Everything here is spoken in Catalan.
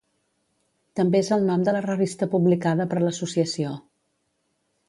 També és el nom de la revista publicada per l'associació.